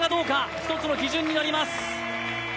１つの基準になります。